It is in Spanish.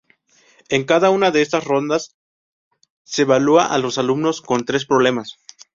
En cada una de estas rondas, se evalúa a los alumnos con tres problemas.